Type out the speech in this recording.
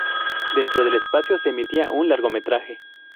Dentro del espacio se emitía un largometraje.